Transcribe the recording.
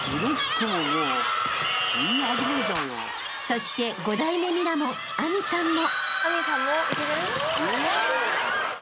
［そして五代目ミラモン明未さんも］